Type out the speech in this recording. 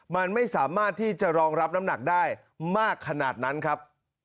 มันไม่สามารถที่จะรองรับน้ำหนักได้มากขนาดนั้นครับ